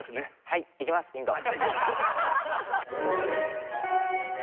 はい行きますインド。